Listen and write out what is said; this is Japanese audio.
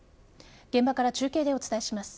現場から中継でお伝えします。